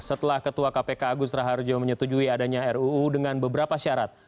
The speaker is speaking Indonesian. setelah ketua kpk agus raharjo menyetujui adanya ruu dengan beberapa syarat